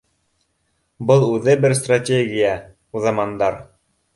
Был үҙе бер стратегия, уҙамандар